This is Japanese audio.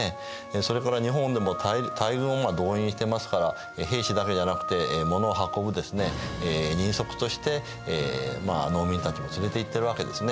それから日本でも大軍を動員していますから兵士だけじゃなくて物を運ぶですね人足としてまあ農民たちも連れていってるわけですね。